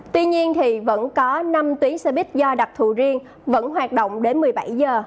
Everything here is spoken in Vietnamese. tuy nhiên thì vẫn có năm tuyến xe buýt do đặc thù riêng vẫn hoạt động đến một mươi bảy giờ